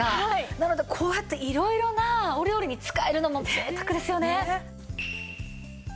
なのでこうやって色々なお料理に使えるのもぜいたくですよね。